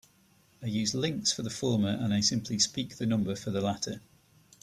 I use "links" for the former and I simply speak the number for the latter.